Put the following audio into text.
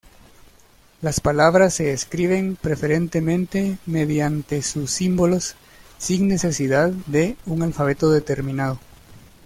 Las palabras se escriben preferentemente mediante sus símbolos, sin necesidad de un alfabeto determinado.